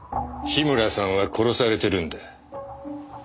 樋村さんは殺されてるんだ。